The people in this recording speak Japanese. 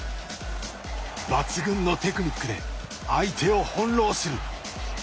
抜群のテクニックで相手を翻弄する。